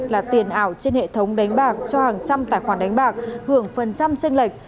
là tiền ảo trên hệ thống đánh bạc cho hàng trăm tài khoản đánh bạc hưởng phần trăm tranh lệch